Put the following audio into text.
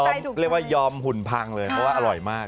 เรียกว่ายอมหุ่นพังเลยเพราะว่าอร่อยมาก